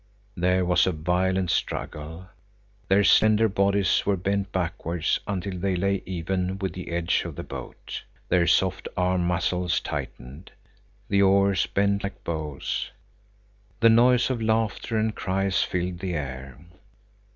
There was a violent struggle. Their slender bodies were bent backwards, until they lay even with the edge of the boat. Their soft arm muscles tightened. The oars bent like bows. The noise of laughter and cries filled the air.